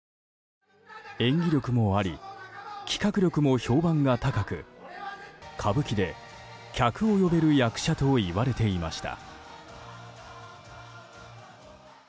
演技力もあり企画力も評判が高く歌舞伎で、客を呼べる役者といわれていました。